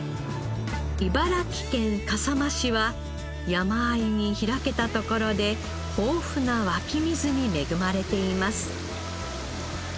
茨城県笠間市は山あいに開けたところで豊富な湧き水に恵まれています。